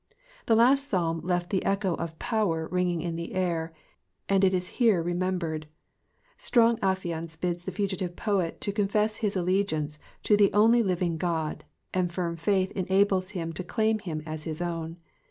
The last Psalm left the echo of power wringing in the ear, and it is here remembered. Strong affiance bids the fugitive poet confess his allegiance to the only living God ; and firm faith enables him to claim him as his own.